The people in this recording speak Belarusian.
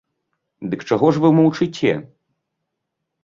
Дык чаго ж вы маўчыце?